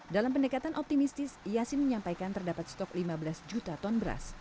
dalam pendekatan optimistis yasin menyampaikan terdapat stok lima belas juta ton beras